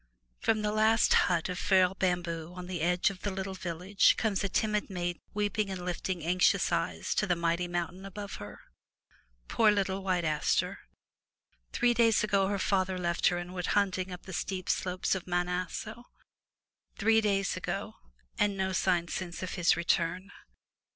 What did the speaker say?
From the last hut of frail bamboo on the edge of the little village comes a timid maiden weeping and lifting anxious eyes to the mighty mountain above her. Poor little White Aster! Three days ago her father left her and went hunting up the steep slopes of Mt. Aso — three days ago, and no sign since of his return.